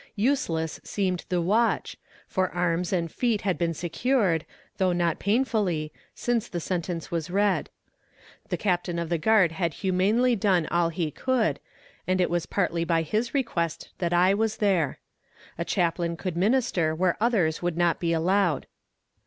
Useless seemed the watch, for arms and feet had been secured, though not painfully, since the sentence was read. The captain of the guard had humanely done all he could, and it was partly by his request that I was there. A chaplain could minister where others would not be allowed.